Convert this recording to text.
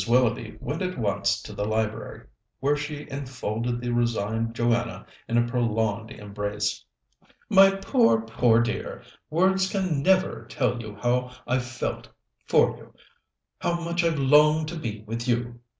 Willoughby went at once to the library, where she enfolded the resigned Joanna in a prolonged embrace. "My poor, poor dear! Words can never tell you how I've felt for you how much I've longed to be with you!"